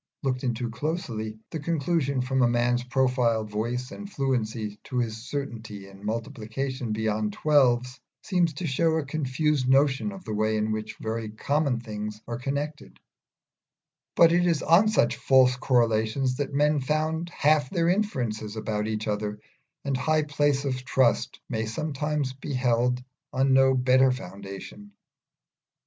Looked into closely, the conclusion from a man's profile, voice, and fluency to his certainty in multiplication beyond the twelves, seems to show a confused notion of the way in which very common things are connected; but it is on such false correlations that men found half their inferences about each other, and high places of trust may sometimes be held on no better foundation.